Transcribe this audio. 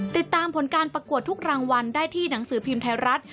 ติดตามผลการประกวดทุกรางวัลได้ที่หนังสือพิมพ์ไทยรัฐ